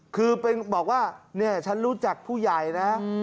คือเป็นบอกว่าเนี่ยฉันรู้จักผู้ใหญ่นะ